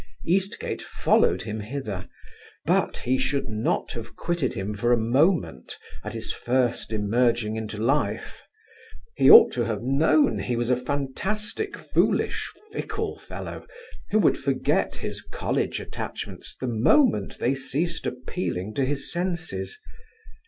Eastgate followed him hither; but he should not have quitted him for a moment, at his first emerging into life. He ought to have known he was a fantastic, foolish, fickle fellow, who would forget his college attachments the moment they ceased appealing to his senses.